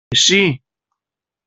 Εσύ!